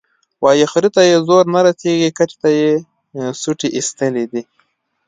وایي خره ته یې زور نه رسېږي، کتې ته یې سوټي ایستلي دي.